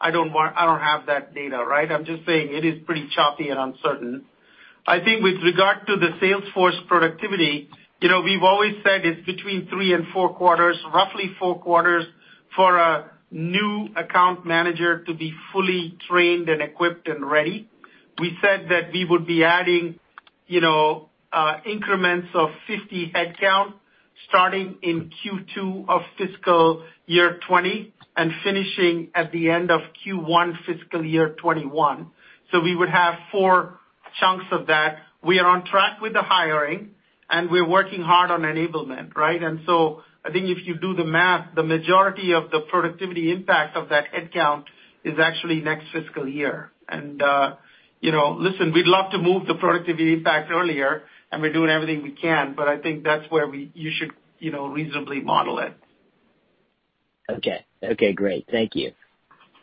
I don't have that data, right? I'm just saying it is pretty choppy and uncertain. I think with regard to the salesforce productivity, we've always said it's between three and four quarters, roughly four quarters for a new account manager to be fully trained and equipped and ready. We said that we would be adding increments of 50 headcount starting in Q2 of fiscal year 2020 and finishing at the end of Q1 fiscal year 2021. So we would have four chunks of that. We are on track with the hiring, and we're working hard on enablement, right? I think if you do the math, the majority of the productivity impact of that headcount is actually next fiscal year. Listen, we'd love to move the productivity impact earlier, and we're doing everything we can, but I think that's where you should reasonably model it. Okay. Okay. Great. Thank you.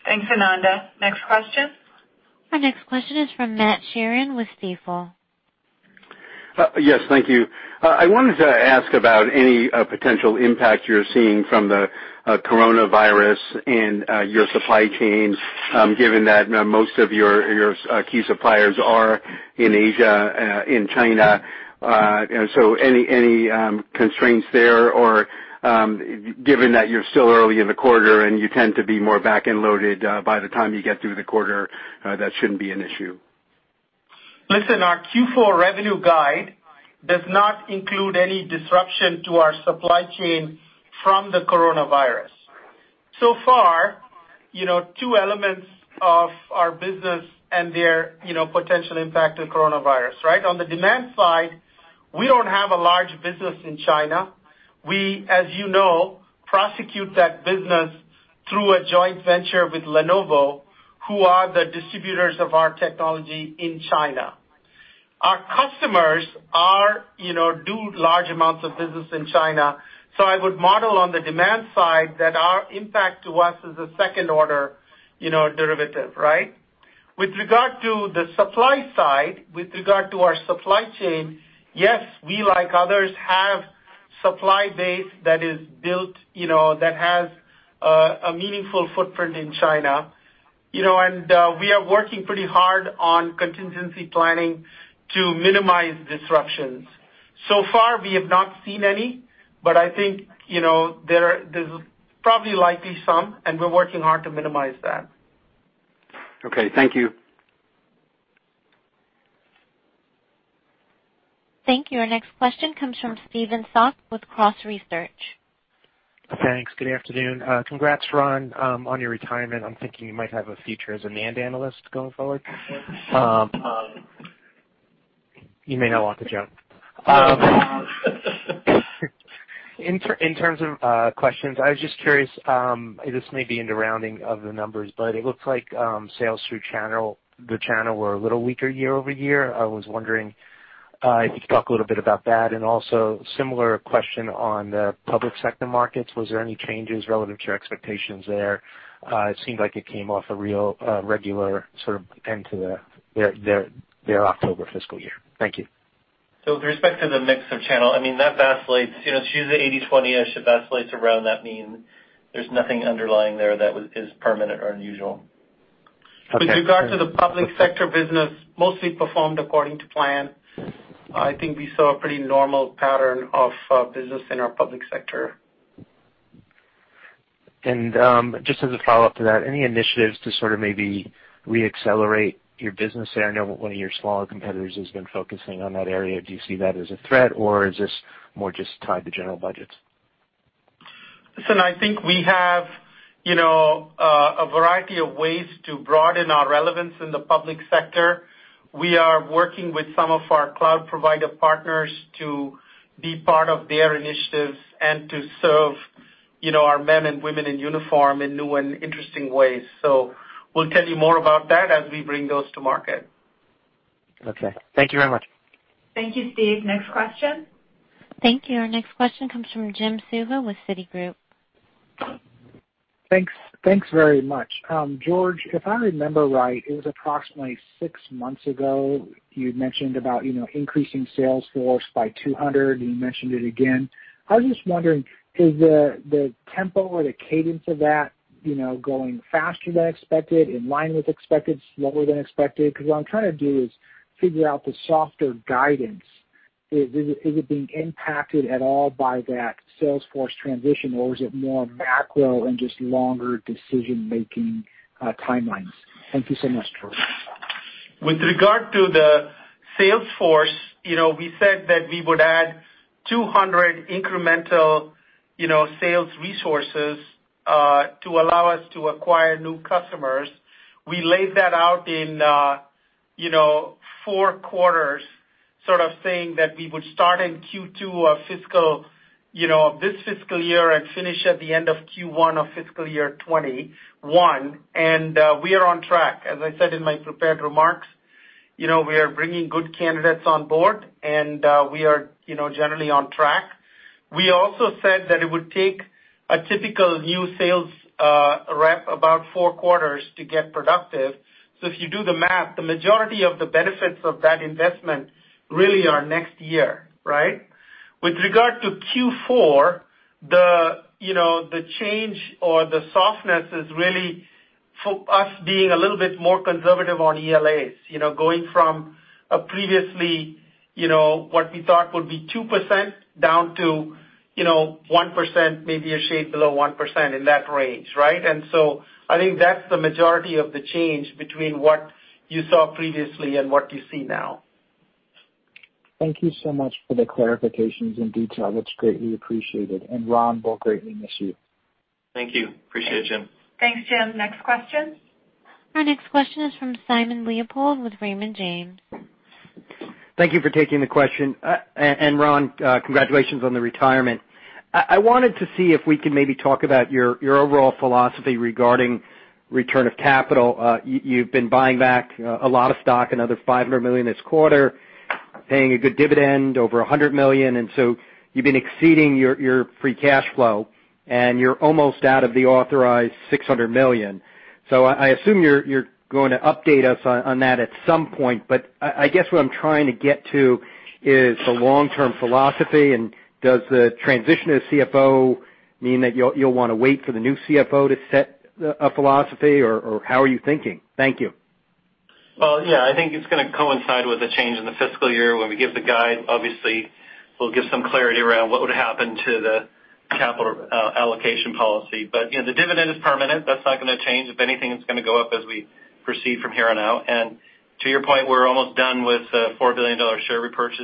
Thanks, Ananda. Next question? Our next question is from Matt Sheerin with Stifel. Yes, thank you. I wanted to ask about any potential impact you're seeing from the coronavirus in your supply chain, given that most of your key suppliers are in Asia, in China. Any constraints there, or given that you're still early in the quarter and you tend to be more back and loaded by the time you get through the quarter, that shouldn't be an issue? Listen, our Q4 revenue guide does not include any disruption to our supply chain from the coronavirus. So far, two elements of our business and their potential impact to the coronavirus, right? On the demand side, we do not have a large business in China. We, as you know, prosecute that business through a joint venture with Lenovo, who are the distributors of our technology in China. Our customers do large amounts of business in China. I would model on the demand side that our impact to us is a second-order derivative, right? With regard to the supply side, with regard to our supply chain, yes, we, like others, have a supply base that is built that has a meaningful footprint in China. We are working pretty hard on contingency planning to minimize disruptions. We have not seen any, but I think there's probably likely some, and we're working hard to minimize that. Okay. Thank you. Thank you. Our next question comes from Steven Fox with Cross Research. Thanks. Good afternoon. Congrats, Ron, on your retirement. I'm thinking you might have a future as an analyst going forward. You may not want the joke. In terms of questions, I was just curious. This may be in the rounding of the numbers, but it looks like sales through the channel were a little weaker year-over-year. I was wondering if you could talk a little bit about that. Also, similar question on the public sector markets. Was there any changes relative to expectations there? It seemed like it came off a real regular sort of end to their October fiscal year. Thank you. With respect to the mix of channel, I mean, that baseline should use the 80/20. It should baseline around that mean. There's nothing underlying there that is permanent or unusual. Okay. With regard to the public sector business, mostly performed according to plan. I think we saw a pretty normal pattern of business in our public sector. Just as a follow-up to that, any initiatives to sort of maybe re-accelerate your business there? I know one of your smaller competitors has been focusing on that area. Do you see that as a threat, or is this more just tied to general budgets? Listen, I think we have a variety of ways to broaden our relevance in the public sector. We are working with some of our cloud-provided partners to be part of their initiatives and to serve our men and women in uniform in new and interesting ways. We will tell you more about that as we bring those to market. Okay. Thank you very much. Thank you, Steve. Next question. Thank you. Our next question comes from Jim Suva with Citigroup. Thanks. Thanks very much. George, if I remember right, it was approximately six months ago. You mentioned about increasing sales force by 200, and you mentioned it again. I was just wondering, is the tempo or the cadence of that going faster than expected, in line with expected, slower than expected? Because what I'm trying to do is figure out the softer guidance. Is it being impacted at all by that salesforce transition, or is it more macro and just longer decision-making timelines? Thank you so much, George. With regard to the salesforce, we said that we would add 200 incremental sales resources to allow us to acquire new customers. We laid that out in four quarters, sort of saying that we would start in Q2 of this fiscal year and finish at the end of Q1 of fiscal year 2021. We are on track. As I said in my prepared remarks, we are bringing good candidates on board, and we are generally on track. We also said that it would take a typical new sales rep about four quarters to get productive. If you do the math, the majority of the benefits of that investment really are next year, right? With regard to Q4, the change or the softness is really for us being a little bit more conservative on ELAs, going from a previously what we thought would be 2% down to 1%, maybe a shade below 1% in that range, right? I think that's the majority of the change between what you saw previously and what you see now. Thank you so much for the clarifications and detail. That is greatly appreciated. Ron, we will greatly miss you. Thank you. Appreciate it, Jim. Thanks, Jim. Next question. Our next question is from Simon Leopold with Raymond James. Thank you for taking the question. Ron, congratulations on the retirement. I wanted to see if we could maybe talk about your overall philosophy regarding return of capital. You've been buying back a lot of stock, another $500 million this quarter, paying a good dividend, over $100 million. You've been exceeding your free cash flow, and you're almost out of the authorized $600 million. I assume you're going to update us on that at some point. I guess what I'm trying to get to is the long-term philosophy. Does the transition of CFO mean that you'll want to wait for the new CFO to set a philosophy, or how are you thinking? Thank you. I think it's going to coincide with the change in the fiscal year. When we give the guide, obviously, we'll give some clarity around what would happen to the capital allocation policy. The dividend is permanent. That's not going to change. If anything, it's going to go up as we proceed from here on out. To your point, we're almost done with the $4 billion share repurchase.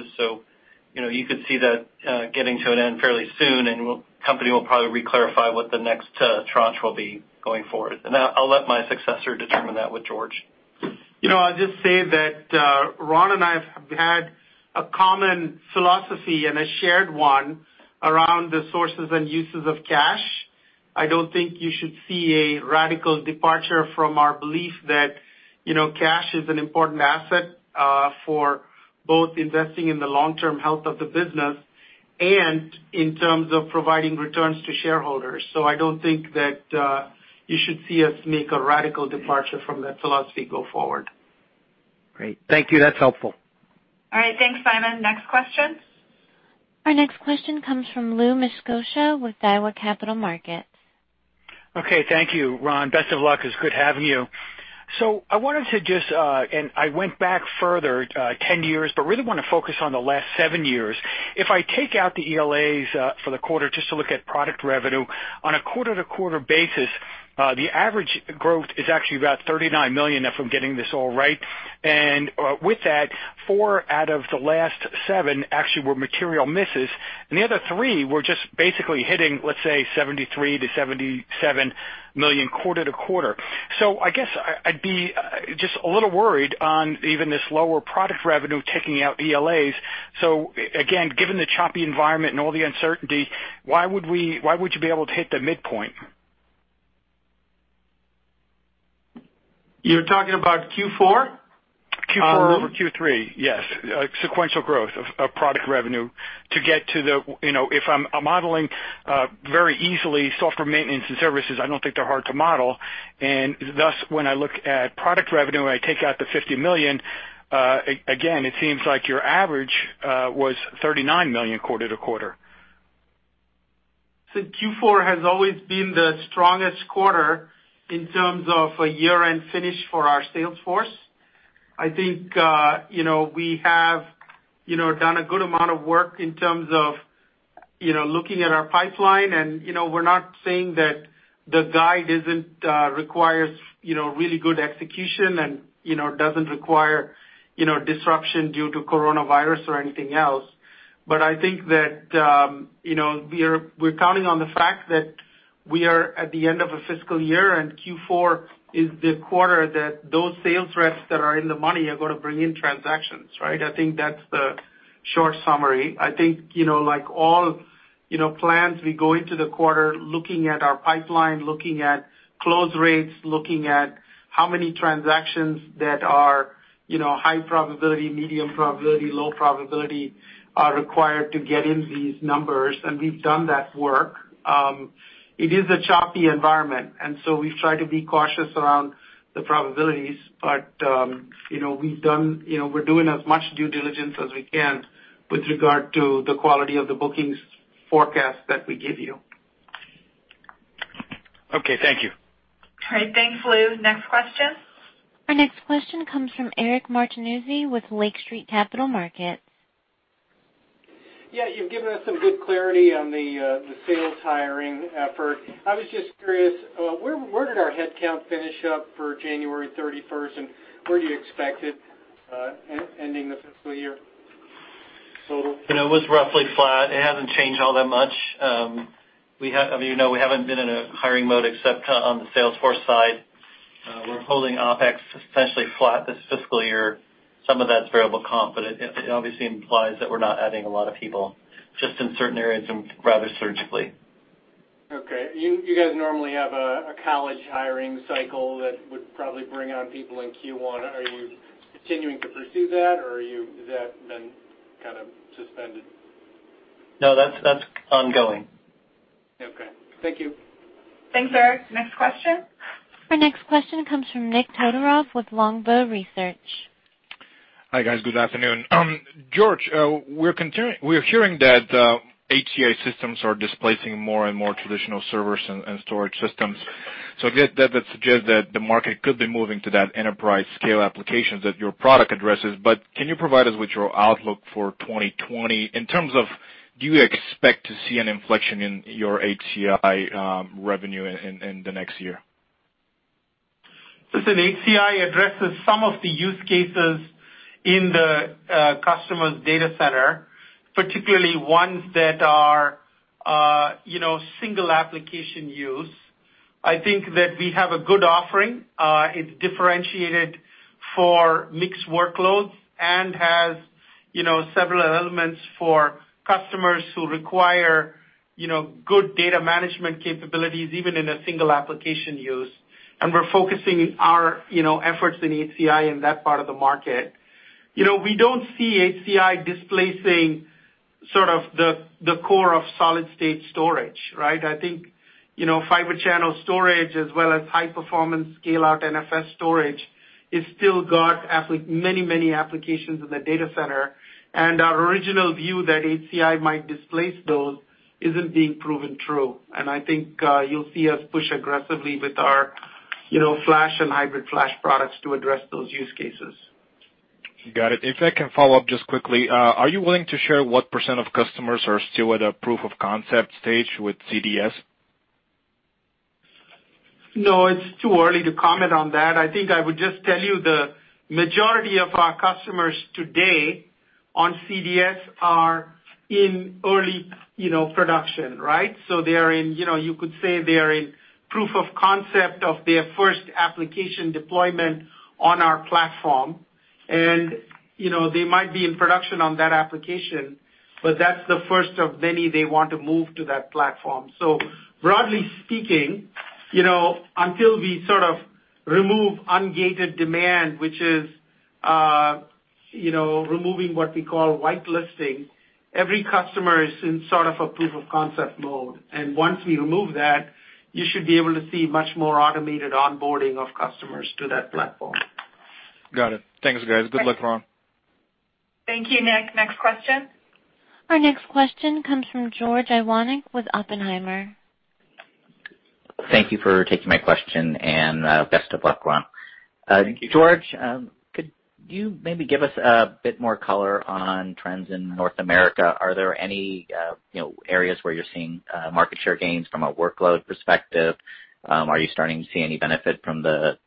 You could see that getting to an end fairly soon, and the company will probably re-clarify what the next tranche will be going forward. I'll let my successor determine that with George. I'll just say that Ron and I have had a common philosophy and a shared one around the sources and uses of cash. I don't think you should see a radical departure from our belief that cash is an important asset for both investing in the long-term health of the business and in terms of providing returns to shareholders. I don't think that you should see us make a radical departure from that philosophy go forward. Great. Thank you. That's helpful. All right. Thanks, Simon. Next question. Our next question comes from Lou Miscioscia with Daiwa Capital Markets. Okay. Thank you, Ron. Best of luck. It's good having you. I wanted to just—and I went back further 10 years—but really want to focus on the last seven years. If I take out the ELAs for the quarter just to look at product revenue, on a quarter-to-quarter basis, the average growth is actually about $39 million if I'm getting this all right. With that, four out of the last seven actually were material misses. The other three were just basically hitting, let's say, $73 million-$77 million quarter-to-quarter. I guess I'd be just a little worried on even this lower product revenue taking out ELAs. Again, given the choppy environment and all the uncertainty, why would you be able to hit the midpoint? You're talking about Q4? Q4 over Q3, yes. Sequential growth of product revenue to get to the—if I'm modeling very easily software maintenance and services, I don't think they're hard to model. Thus, when I look at product revenue, I take out the $50 million. Again, it seems like your average was $39 million quarter-to-quarter. Q4 has always been the strongest quarter in terms of a year-end finish for our salesforce. I think we have done a good amount of work in terms of looking at our pipeline. We are not saying that the guide requires really good execution and does not require disruption due to coronavirus or anything else. I think that we are counting on the fact that we are at the end of a fiscal year, and Q4 is the quarter that those sales reps that are in the money are going to bring in transactions, right? I think that is the short summary. I think, like all plans, we go into the quarter looking at our pipeline, looking at close rates, looking at how many transactions that are high probability, medium probability, low probability are required to get in these numbers. We have done that work. It is a choppy environment. We have tried to be cautious around the probabilities, but we are doing as much due diligence as we can with regard to the quality of the bookings forecast that we give you. Okay. Thank you. All right. Thanks, Lou. Next question. Our next question comes from Eric Martinuzzi with Lake Street Capital Markets. Yeah. You've given us some good clarity on the sales hiring effort. I was just curious, where did our headcount finish up for January 31st, and where do you expect it ending the fiscal year total? It was roughly flat. It hasn't changed all that much. I mean, we haven't been in a hiring mode except on the salesforce side. We're holding OpEx essentially flat this fiscal year. Some of that's variable comp, but it obviously implies that we're not adding a lot of people just in certain areas and rather surgically. Okay. You guys normally have a college hiring cycle that would probably bring on people in Q1. Are you continuing to pursue that, or has that been kind of suspended? No, that's ongoing. Okay. Thank you. Thanks, Eric. Next question. Our next question comes from Nik Todorov with Longbow Research. Hi guys. Good afternoon. George, we're hearing that HCI systems are displacing more and more traditional servers and storage systems. That suggests that the market could be moving to that enterprise-scale applications that your product addresses. Can you provide us with your outlook for 2020 in terms of do you expect to see an inflection in your HCI revenue in the next year? Listen, HCI addresses some of the use cases in the customer's data center, particularly ones that are single application use. I think that we have a good offering. It's differentiated for mixed workloads and has several elements for customers who require good data management capabilities even in a single application use. We're focusing our efforts in HCI in that part of the market. We don't see HCI displacing sort of the core of solid-state storage, right? I think fiber channel storage as well as high-performance scale-out NFS storage has still got many, many applications in the data center. Our original view that HCI might displace those isn't being proven true. I think you'll see us push aggressively with our flash and hybrid flash products to address those use cases. Got it. If I can follow up just quickly, are you willing to share what percent of customers are still at a proof-of-concept stage with CDS? No, it's too early to comment on that. I think I would just tell you the majority of our customers today on CDS are in early production, right? They are in—you could say they are in proof-of-concept of their first application deployment on our platform. They might be in production on that application, but that's the first of many they want to move to that platform. Broadly speaking, until we sort of remove ungated demand, which is removing what we call whitelisting, every customer is in sort of a proof-of-concept mode. Once we remove that, you should be able to see much more automated onboarding of customers to that platform. Got it. Thanks, guys. Good luck, Ron. Thank you, Nik. Next question. Our next question comes from George Iwanyc with Oppenheimer. Thank you for taking my question, and best of luck, Ron. Thank you. George, could you maybe give us a bit more color on trends in North America? Are there any areas where you're seeing market share gains from a workload perspective? Are you starting to see any benefit from the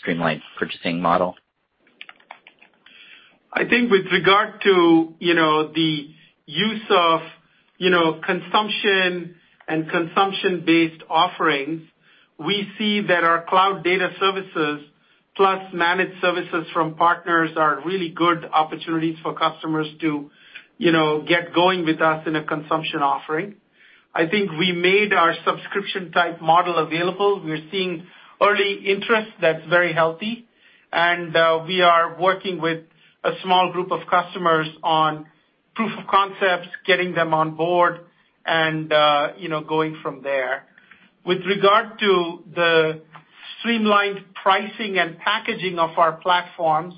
streamlined purchasing model? I think with regard to the use of consumption and consumption-based offerings, we see that our cloud data services plus managed services from partners are really good opportunities for customers to get going with us in a consumption offering. I think we made our subscription-type model available. We're seeing early interest. That's very healthy. We are working with a small group of customers on proof-of-concepts, getting them on board, and going from there. With regard to the streamlined pricing and packaging of our platforms,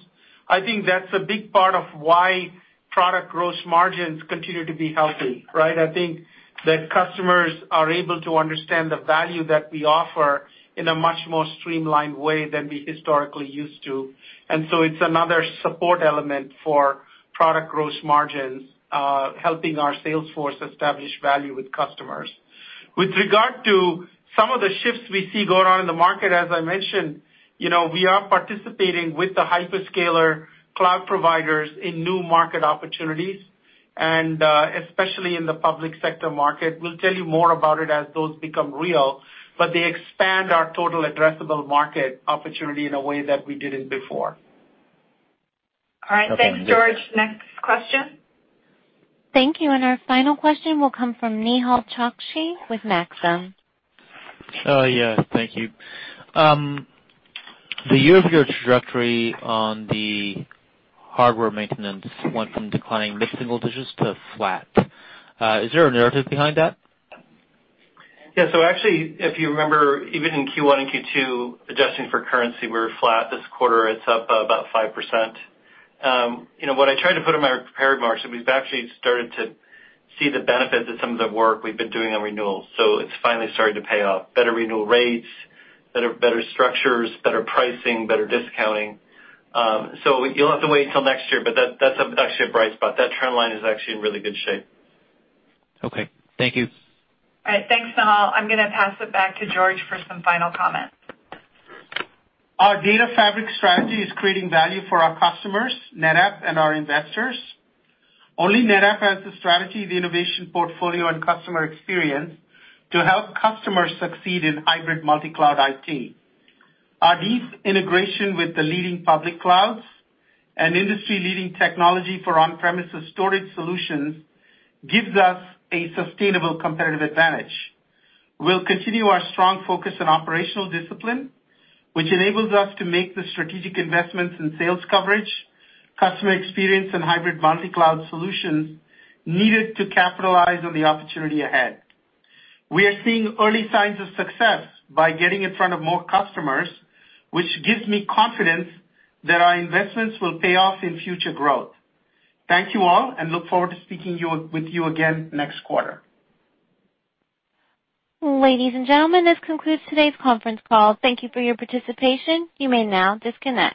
I think that's a big part of why product gross margins continue to be healthy, right? I think that customers are able to understand the value that we offer in a much more streamlined way than we historically used to. It's another support element for product gross margins, helping our salesforce establish value with customers. With regard to some of the shifts we see going on in the market, as I mentioned, we are participating with the hyperscaler cloud providers in new market opportunities, and especially in the public sector market. We'll tell you more about it as those become real, but they expand our total addressable market opportunity in a way that we didn't before. All right. Thanks, George. Next question. Thank you. Our final question will come from Nehal Chokshi with Maxim. Oh, yeah. Thank you. The year-over-year trajectory on the hardware maintenance went from declining mid-single digits to flat. Is there a narrative behind that? Yeah. Actually, if you remember, even in Q1 and Q2, adjusting for currency, we were flat. This quarter, it's up about 5%. What I tried to put in my prepared marks is we've actually started to see the benefits of some of the work we've been doing on renewals. It's finally starting to pay off: better renewal rates, better structures, better pricing, better discounting. You'll have to wait until next year, but that's actually a bright spot. That trend line is actually in really good shape. Okay. Thank you. All right. Thanks, Nehal. I'm going to pass it back to George for some final comments. Our data fabric strategy is creating value for our customers, NetApp, and our investors. Only NetApp has the strategy, the innovation portfolio, and customer experience to help customers succeed in hybrid multi-cloud IT. Our deep integration with the leading public clouds and industry-leading technology for on-premises storage solutions gives us a sustainable competitive advantage. We'll continue our strong focus on operational discipline, which enables us to make the strategic investments in sales coverage, customer experience, and hybrid multi-cloud solutions needed to capitalize on the opportunity ahead. We are seeing early signs of success by getting in front of more customers, which gives me confidence that our investments will pay off in future growth. Thank you all, and look forward to speaking with you again next quarter. Ladies and gentlemen, this concludes today's conference call. Thank you for your participation. You may now disconnect.